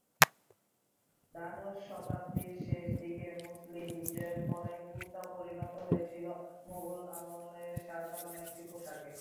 দ্বাদশ শতাব্দীর শেষদিকে মুসলিম বিজয়ের পরে কুর্তা পরিণত হয়েছিল মোগল আমলে সাধারণ একটি পোশাকে।